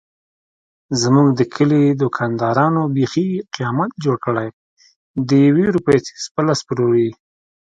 زموږ د کلي دوکاندارانو بیخي قیامت جوړ کړی دیوې روپۍ څيز په لس پلوري.